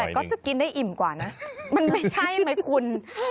แต่ก็จะกินได้อิ่มกว่านะมันไม่ใช่ไหมคุณ